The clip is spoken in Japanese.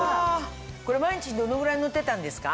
これ毎日どのぐらい乗ってたんですか？